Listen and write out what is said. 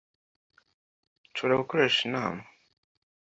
Nshobora gukoresha inama